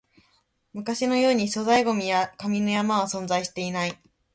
昔のように粗大ゴミや紙の山は存在していない